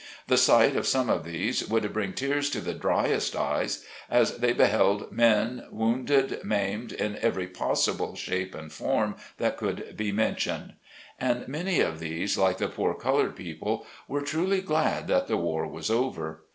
The sight of some of these would bring tears to the dryest eyes, as they beheld men wounded, maimed in every possible shape and form that could be mentioned. And many of these, like the poor colored people, were truly glad that the war was over.